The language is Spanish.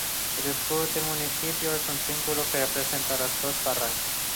El escudo del municipio es un símbolo que representa las dos barrancas.